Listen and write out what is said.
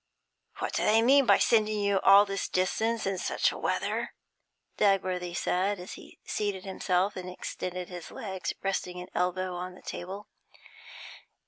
'What do they mean by sending you all this distance in such weather?' Dagworthy said, as he seated himself and extended his legs, resting an elbow on the table.